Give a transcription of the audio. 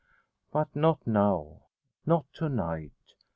But not now; not to night.